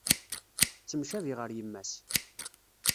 Tettemcabi ɣer yemma-s.